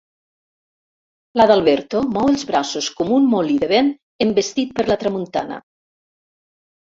L'Adalberto mou els braços com un molí de vent envestit per la tramuntana.